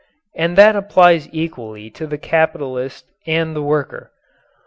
And that applies equally to the capitalist and the worker.